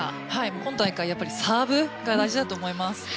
今大会サーブが大事だと思います。